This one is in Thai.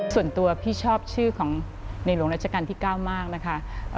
ส่วนตัวพี่ชอบชื่อของในหลวงราชการที่๙มากนะคะ